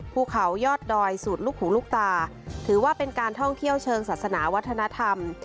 ภูเขายอดดอยสูตรลูกหูลูกตาถือว่าเป็นการท่องเที่ยวเชิงศาสนาวัฒนธรรม